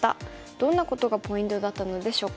どんなことがポイントだったのでしょうか。